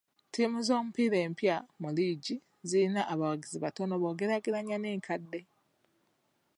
Ttiimu z'omupiira empya mu liigi zirina abawagizi batono bw'ogeraageranya n'enkadde.